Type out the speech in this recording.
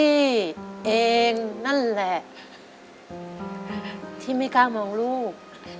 พี่เองนั่นแหละที่ไม่กล้ามองลูก